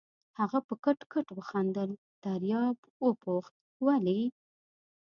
هغه په کټ کټ وخندل، دریاب وپوښت: ولې؟